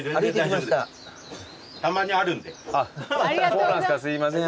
そうなんすかすいません